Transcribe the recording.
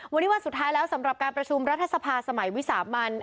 วันนี้วันสุดท้ายแล้วสำหรับการประชุมรัฐสภาสมัยวิสามัน